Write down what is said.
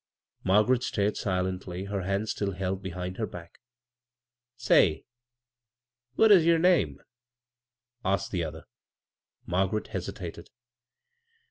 Margaret stared silendy, her hands still held behind her back. "Say, what is yer name?" asked the other. Margaret hesitated.